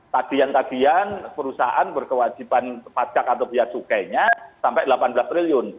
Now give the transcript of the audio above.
tadi tadi perusahaan berkewajiban pajak atau biaya sukainya sampai delapan belas triliun